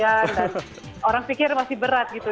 dan orang pikir masih berat gitu